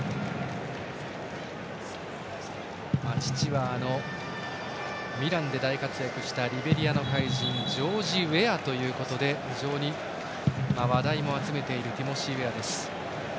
父は、あのミランで大活躍したリベリアの怪人ジョージ・ウェアということで非常に話題も集めているティモシー・ウェアです。